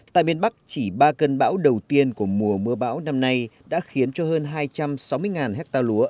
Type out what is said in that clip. tại miền bắc chỉ ba cơn bão đầu tiên của mùa mưa bão năm nay đã khiến cho hơn hai trăm sáu mươi hectare lúa